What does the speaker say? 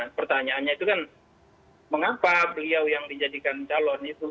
nah pertanyaannya itu kan mengapa beliau yang dijadikan calon itu